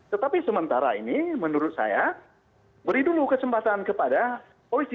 tetapi sementara ini menurut saya beri dulu kesempatan kepada polisi